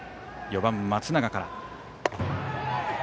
４番、松永から。